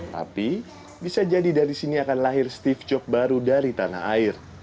tapi bisa jadi dari sini akan lahir steve job baru dari tanah air